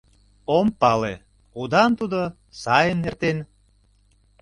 Ом пале: удан тудо, сайын эртен...